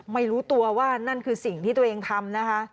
ไม่รู้ตัวว่านั่นคือสิ่งที่ตัวเองทำนะคะ